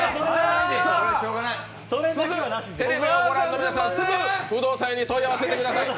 さあ、テレビをご覧の皆さんすぐ不動産屋に問い合わせてください。